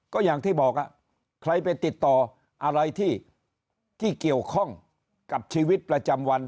ก็อย่างที่บอกใครไปติดต่ออะไรที่เกี่ยวข้องกับชีวิตประจำวัน